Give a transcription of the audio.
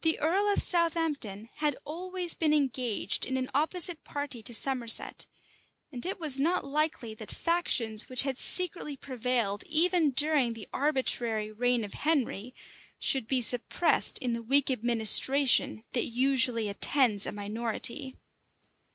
The earl of Southampton had always been engaged in an opposite party to Somerset; and it was not likely that factions which had secretly prevailed even during the arbitrary reign of Henry, should be suppressed in the weak administration that usually attends a minority.